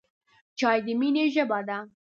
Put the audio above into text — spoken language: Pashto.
چای د مینې ژبه ده.